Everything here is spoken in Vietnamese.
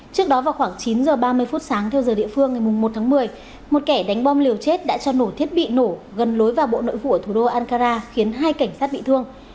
trước đó vào khoảng chín h ba mươi phút sáng theo giờ địa phương ngày một tháng một mươi một kẻ đánh bom liều chết đã cho nổ thiết bị nổ gần lối vào bộ nội vụ ở thủ đô ankara khiến hai cảnh sát bị thương